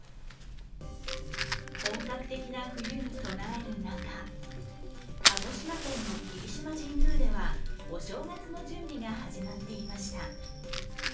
本格的な冬に備える中、鹿児島県の霧島神宮ではお正月の準備が始まっていました。